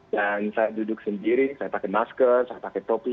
dan saya duduk sendiri saya pakai masker saya pakai topi